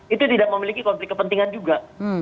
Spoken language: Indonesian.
itu tidak memiliki konflik kepentingan juga